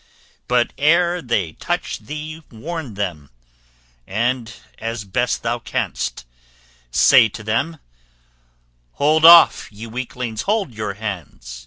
But ere they touch thee warn them, and, as best thou canst, say to them: Hold off! ye weaklings; hold your hands!